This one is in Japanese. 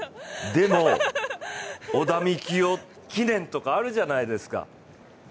でも、織田幹雄記念とかあるじゃないですか。